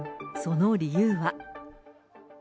その理由は。